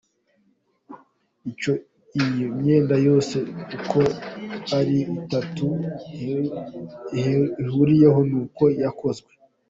Icyo iyi myenda yose uko ari itatu ihuriyeho ni uko yakozwe